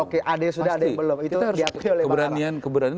kita harus keberanian keberanian